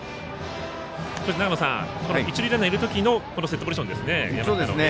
この一塁ランナーいる時のセットポジションですね。